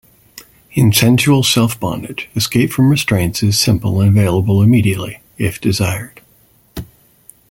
In sensual self-bondage, escape from restraints is simple and available immediately, if desired.